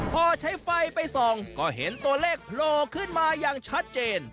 พอใช้ไฟไปส่องก็เห็นตัวเลขโผล่ขึ้นมาอย่างชัดเจน